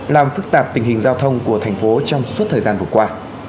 làm phức tạp tình hình giao thông của thành phố trong suốt thời gian vừa qua